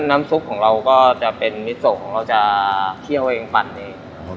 น้ำซุปของเราก็จะเป็นมิโซของเราจะเคี่ยวเองปั่นเอง